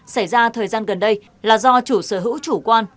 xảy ra thời gian gần đây là do chủ sở hữu chủ quan